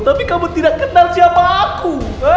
tapi kamu tidak kenal siapa aku